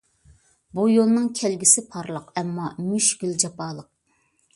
بۇ يولنىڭ كەلگۈسى پارلاق، ئەمما مۈشكۈل، جاپالىق.